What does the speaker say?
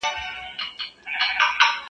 يو نغمه ګره نقاسي کومه ښه کوومه,